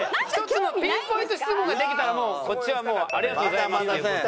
１つのピンポイント質問ができたらこっちはもうありがとうございますという事で。